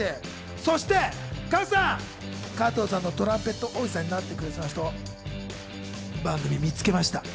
そして加藤さんのトランペットおじさんになってくれそうな人、番組で見つけました。